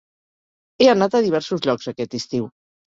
He anat a diversos llocs aquest estiu.